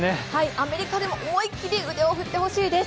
アメリカでも思い切り腕を振ってほしいです。